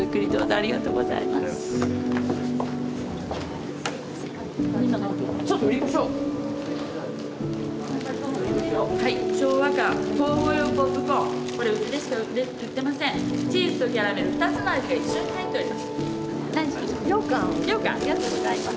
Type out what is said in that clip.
ありがとうございます。